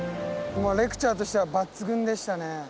もうレクチャーとしては抜群でしたね。